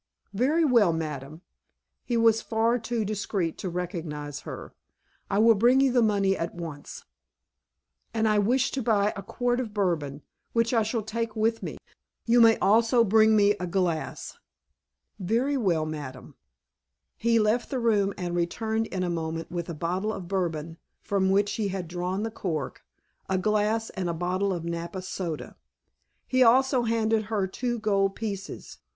"Very well, madame." (He was far too discreet to recognize her.) "I will bring you the money at once." "And I wish to buy a quart of Bourbon, which I shall take with me. You may also bring me a glass." "Very well, madame." He left the room and returned in a moment with a bottle of Bourbon, from which he had drawn the cork, a glass, and a bottle of Napa Soda. He also handed her two gold pieces.